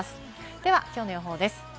では、きょうの予報です。